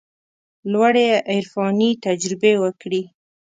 لوړې عرفاني تجربې وکړي.